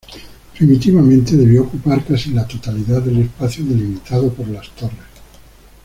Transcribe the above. Primitivamente debió ocupar casi la totalidad del espacio delimitado por las torres.